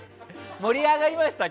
盛り上がりました？